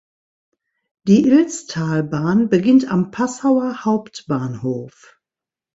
Die Ilztalbahn beginnt am Passauer Hauptbahnhof.